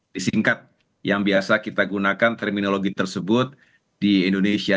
disingkat yang biasa kita gunakan terminologi tersebut di indonesia